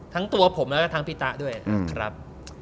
ทั้งตัวผมแล้วก็ทั้งพี่ตะด้วยนะครับ